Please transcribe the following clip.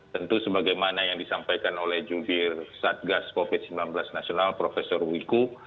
tentu sebagaimana yang disampaikan oleh jubir satgas covid sembilan belas nasional prof wiku